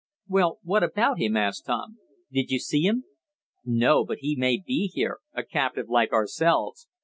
"Well, what about him?" asked Tom. "Did you see him?" "No, but he may be here a captive like ourselves.